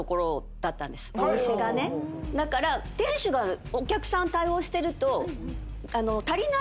だから店主がお客さん対応してると。